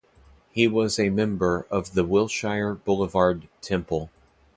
He was a member of the Wilshire Boulevard Temple.